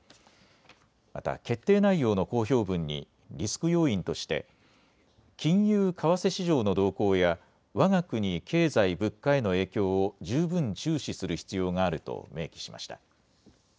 また決定内容の公表文にリスク要因として金融・為替市場の動向やわが国経済・物価への影響を十分、注視する必要があると明記しました。